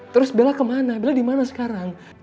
terus bella kemana bela di mana sekarang